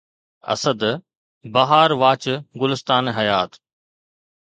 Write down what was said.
اسد! بهار واچ گلستان حيات